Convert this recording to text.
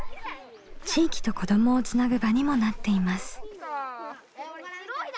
地域と子どもをつなぐ場にもなっています。